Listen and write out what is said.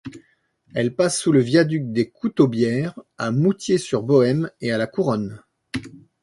Elle passe sous le viaduc des Coutaubières, à Mouthiers-sur-Boëme et à La Couronne.